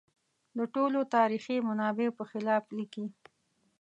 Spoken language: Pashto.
د ټولو تاریخي منابعو په خلاف لیکي.